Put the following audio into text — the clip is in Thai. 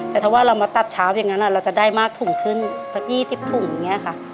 แต่ถ้าว่าเรามาตัดเช้าอย่างนั้นเราจะได้มากถุงขึ้นสัก๒๐ถุงอย่างนี้ค่ะ